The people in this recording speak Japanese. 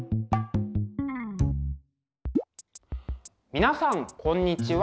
皆さんこんにちは。